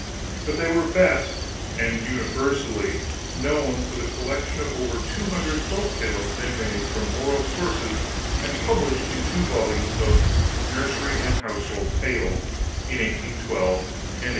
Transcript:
But they were best (and universally) known for the collection of over two hundred folk tales they made from oral sources and published in two volumes of 'Nursery and Household Tales' in 1812 and 1814.